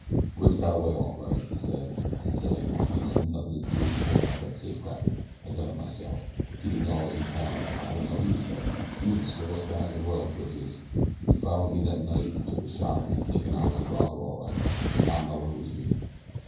"Bridge got away all right," he said. "And say, he didn't have nothin' to do with pullin' off that safe crackin'. I done it myself. He didn't know I was in town an' I didn't know he was there. He's the squarest guy in the world, Bridge is. He follered me that night an' took a shot at me, thinkin' I was the robber all right but not knowin' I was me.